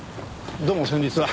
どうも先日は。